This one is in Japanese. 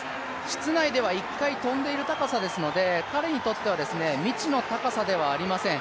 室内では１回跳んでいる高さですので彼にとっては未知の高さではありません。